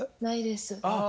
ないです。